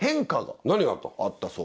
何があったの？